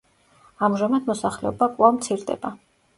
ამჟამად მოსახლეობა კვლავ მცირდება.